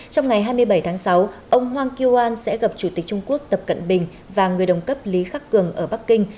trong ngày hai mươi bảy tháng sáu ông hawak kyuan sẽ gặp chủ tịch trung quốc tập cận bình và người đồng cấp lý khắc cường ở bắc kinh